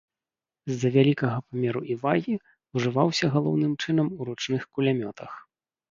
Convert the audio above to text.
З-за вялікага памеру і вагі, ўжываўся галоўным чынам у ручных кулямётах.